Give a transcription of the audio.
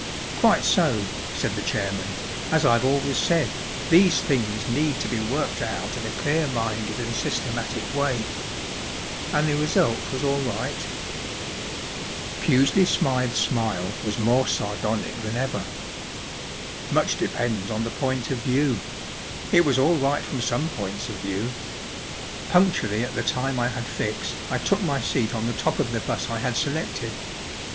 " Quite so," said the chairman. " As I’ve always said, these things need to be worked out in a clear minded and systematic way. And the result was all right ?" Pusely Smythe's smile was more sardonic than ever. " Much depends on the point of view ; it was all right from some points of view. Punctually at the time I had fixed I took my seat on the top of the bus I had selected.